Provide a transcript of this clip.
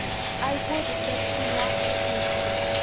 1 would that she laugh with me.